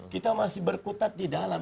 kita masih berkutat di dalam